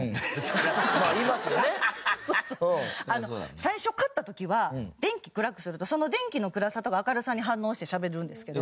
最初買った時は電気暗くするとその電気の暗さとか明るさに反応してしゃべるんですけど。